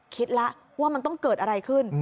คิดแล้วว่ามันต้องเกิดอะไรขึ้น